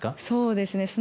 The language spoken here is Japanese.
そうですね